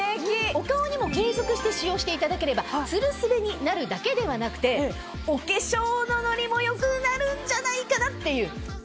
お顔にも継続して使用していただければツルスベになるだけではなくてお化粧のノリも良くなるんじゃないかなっていう。